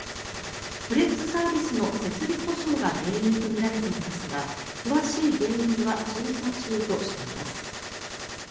フレッツサービスの設備故障が原因とみられていますが詳しい原因は調査中としています。